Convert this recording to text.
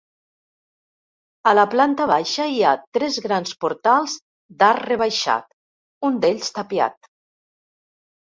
A la planta baixa hi ha tres grans portals d'arc rebaixat, un d'ells tapiat.